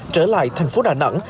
trở lại thành phố đà nẵng